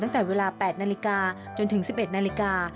ตั้งแต่เวลา๘นาฬิกาจนถึง๑๑นาฬิกา